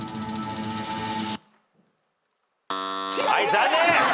残念！